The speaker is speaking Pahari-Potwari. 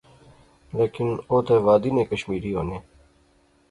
لیکن او تہ وادی نے کشمیری ہونے